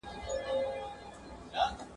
راته وساته ګلونه د نارنجو امېلونه ..